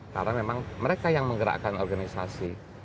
karena memang mereka yang menggerakkan organisasi